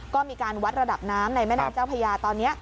ก็มีการวัดระดับน้ำในแม่น้ำเจ้าพญาตอนนี้